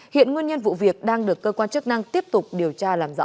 hiện nguyên nhân vụ việc đang được cơ quan chức năng tiếp tục điều tra làm rõ